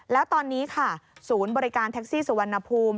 แล้วตอนนี้ค่ะศูนย์บริการแท็กซี่สุวรรณภูมิ